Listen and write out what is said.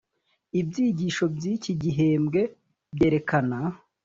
ibyigisho byiki gihembwe byerekana